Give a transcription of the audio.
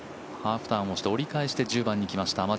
ハーフターンをして、折り返して１０番に来ました